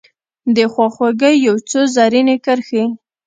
دخوا خوګۍ یو څو رزیني کرښې